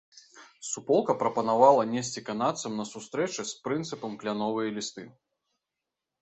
Суполка прапанавала несці канадцам на сустрэчы з прынцам кляновыя лісты.